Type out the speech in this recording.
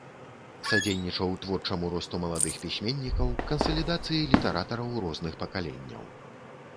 Садзейнічаў творчаму росту маладых пісьменнікаў, кансалідацыі літаратараў розных пакаленняў.